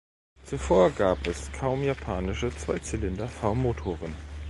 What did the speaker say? Zuvor gab es kaum japanische Zweizylinder-V-Motoren.